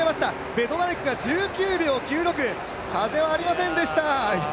ベドナレクが１９秒９６、風はありませんでした。